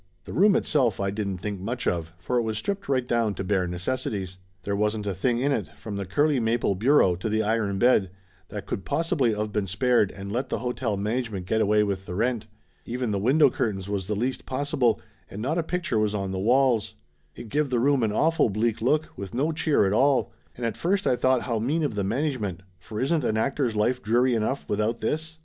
The room itself I didn't think much of, for it was stripped right down to bare necessities. There wasn't a thing in it, from the curly maple bureau to the iron bed, that could possibly of been spared and let the hotel management get away with the rent. Even the window curtains was the least possible, and 78 Laughter Limited not a picture was on the walls. It give the room an awful bleak look, with no cheer at all, and at first I thought how mean of the management, for isn't an actor's life dreary enough without this?